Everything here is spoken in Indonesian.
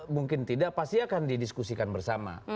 mungkin tidak pasti akan didiskusikan bersama